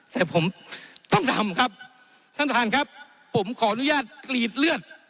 แต่ผมต้องทำครับท่านประธานครับผมขออนุญาตกรีดเลือด